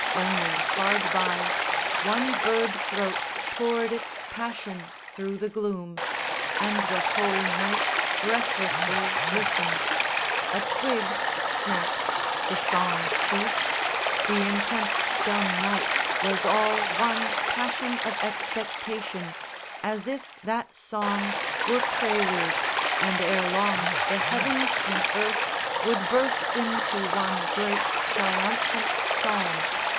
Only hard by One bird throat poured its passion through the gloom, And the whole night breathlessly listened. A twig Snapped, the song ceased, the intense dumb night was all One passion of expectation as if that song Were prelude, and ere long the heavens and earth Would burst into one great triumphant psalm.